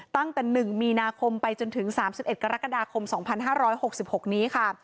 ตั้งแต่๑มีนาคมไปจนถึง๓๑กรกฎาคม๒๕๖๖นี้ค่ะ